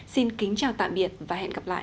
xin kính chào tạm biệt và hẹn gặp lại